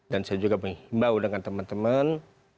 dan saya juga mengimbau dengan teman teman